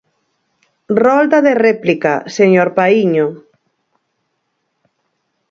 Rolda de réplica, señor Paíño.